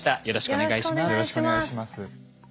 よろしくお願いします。